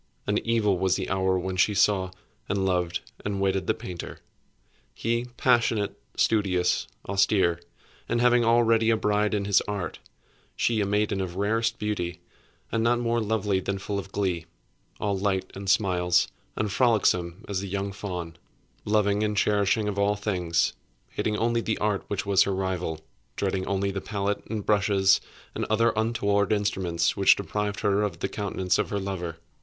And evil was the hour when she saw, and loved, and wedded the painter. He, passionate, studious, austere, and having already a bride in his Art; she a maiden of rarest beauty, and not more lovely than full of glee; all light and smiles, and frolicsome as the young fawn; loving and cherishing all things; hating only the Art which was her rival; dreading only the pallet and brushes and other untoward instruments which deprived her of the countenance of her lover.